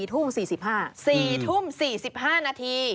๔ทุ่ม๔๕นาที